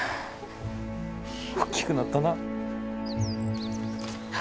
おっきくなったなぁ。